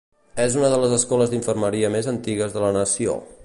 És una de les escoles d'infermeria més antigues de la nació.